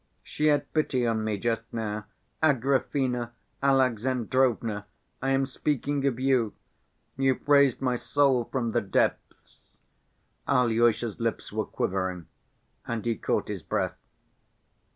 She had pity on me just now.... Agrafena Alexandrovna, I am speaking of you. You've raised my soul from the depths." Alyosha's lips were quivering and he caught his breath.